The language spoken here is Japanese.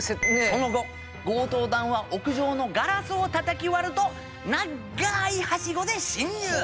その後強盗団は屋上のガラスをたたき割ると長いはしごで侵入。